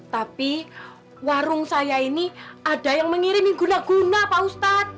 tapi warung saya ini ada yang mengirimi guna guna pak ustadz